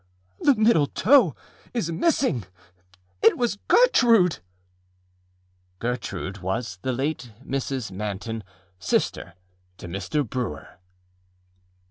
âThe middle toe is missingâit was Gertrude!â Gertrude was the late Mrs. Manton, sister to Mr. Brewer.